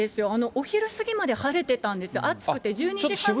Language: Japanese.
お昼過ぎまで晴れてたんですが、暑くて１２時半ぐらい。